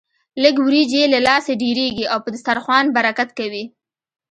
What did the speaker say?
لږ وريجې يې له لاسه ډېرېږي او په دسترخوان برکت کوي.